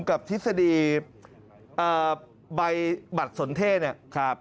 กับทฤษฎีใบบัตรสนเทศนี่ครับ